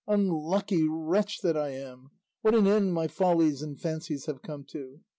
Unlucky wretch that I am, what an end my follies and fancies have come to!